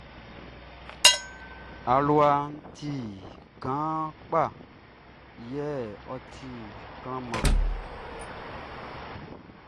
Aluaʼn ti kaan kpa yɛ ɔ ti klanman.